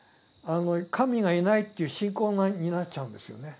神がいないという信仰になっちゃうんですよね。